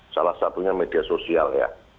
salah satunya media sosial ya